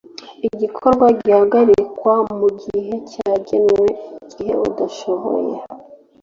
Igikorwa gihagarikwa mu gihe cyagenwe igihe adashoboye